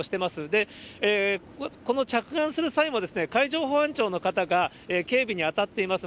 で、この着岸する際も、海上保安庁の方が、警備に当たっています。